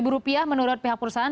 dua rupiah menurut pihak perusahaan